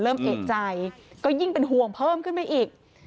เริ่มเอกใจก็ยิ่งเป็นห่วงเพิ่มขึ้นไปอีก